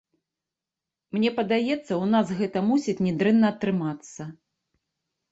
Мне падаецца ў нас гэта мусіць не дрэнна атрымацца.